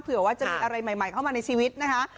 เผื่อว่าจะมีอะไรใหม่เข้ามาในชีวิตนะคะ